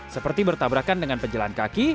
seperti bertabrakan dengan pejalan kaki